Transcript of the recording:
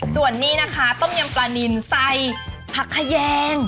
ส่วนนี้นะคะต้มยำปลานินใส่ผักขยง